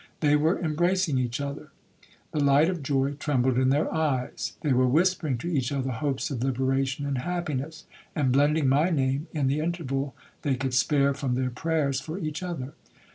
They were embracing each other,—the light of joy trembled in their eyes. They were whispering to each other hopes of liberation and happiness, and blending my name in the interval they could spare from their prayers for each other.